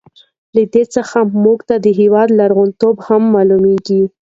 له دې څخه موږ ته د هېواد لرغون توب هم معلوميږي.